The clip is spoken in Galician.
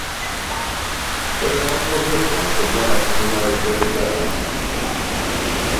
É moi curioso, señoras e señores deputados.